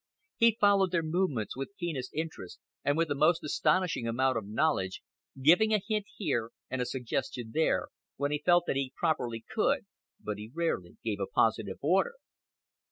He followed their movements with keenest interest and with a most astonishing amount of knowledge, giving a hint here, and a suggestion there, when he felt that he properly could, but he rarely gave a positive order.